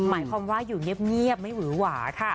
หมายความว่าอยู่เงียบไม่หวือหวาค่ะ